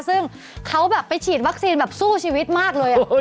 ซึ่งเขาแบบไปฉีดวัคซีนแบบสู้ชีวิตมากเลย